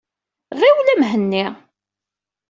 Ɣiwel a Mhenni.